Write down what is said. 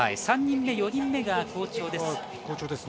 ３人目、４人目が好調です。